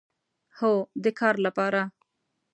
هو، د کار لپاره